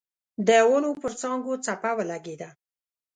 د ونو پر څانګو څپه ولګېده.